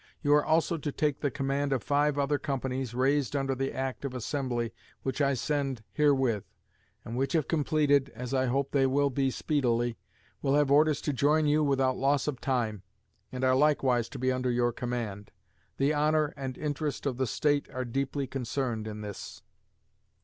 You are also to take the Command of five other Companies, raised under the act of Assembly which I send herewith, and which if completed, as I hope they will be speedily, will have orders to join you without loss of time, and are likewise to be under your command.... The honor and interest of the State are deeply concerned in this."